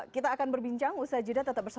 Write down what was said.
kita akan berbincang usha jeddah tetap bersama